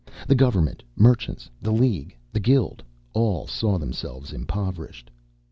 The government, merchants, the league, the guild, all saw themselves impoverished.